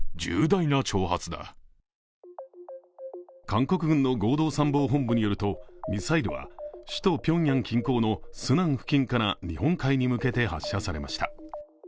韓国軍の合同参謀本部によるとミサイルは首都ピョンヤン近郊のスナン付近から日本海に向けて発射されました。